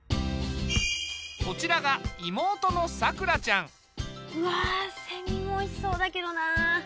こちらが妹のさくらちゃん。わセミもおいしそうだけどな。